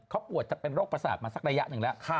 เขาปวดจะเป็นโรคประสาทมาสักระยะหนึ่งแล้ว